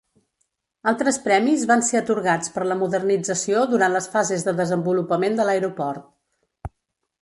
Altres premis van ser atorgats per la modernització durant les fases de desenvolupament de l'aeroport.